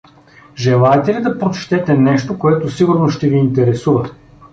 — Желаете ли да прочетете нещо, което сигурно ще ви интересува?